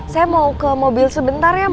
saya mau ke mobil sebentar ya